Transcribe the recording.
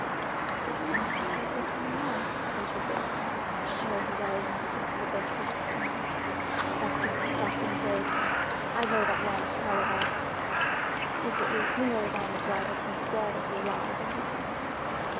"But the doctor says you're coming on," ventured Biggs. "Sure he does," answered the banker with a sneer. "That's his stock in trade. I know that line of palaver. Secretly, he knows I am as liable to be dead as alive when he comes again."